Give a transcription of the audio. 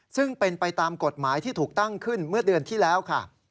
ซึ่งเป็นไปตามกฎหมายที่ถูกตั้งขึ้นเมื่อเดือนที่แล้วค่ะ